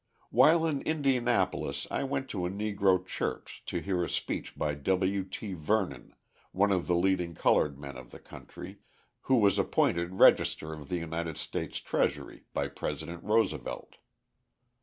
While in Indianapolis I went to a Negro church to hear a speech by W. T. Vernon, one of the leading coloured men of the country, who was appointed Register of the United States Treasury by President Roosevelt.